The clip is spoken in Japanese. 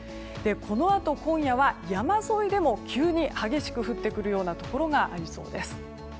このあと、今夜は山沿いでも急に激しく降ってくるところがありそうです。